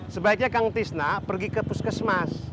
sebaiknya kang tisna pergi ke puskesmas